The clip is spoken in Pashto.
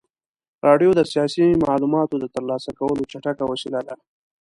راډیو د سیاسي معلوماتو د ترلاسه کولو چټکه وسیله وه.